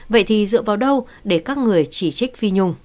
vậy thì dựa vào đâu để các người chỉ trích phi nhung